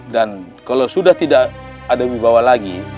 dan kalau sudah tidak ada wibawa lagi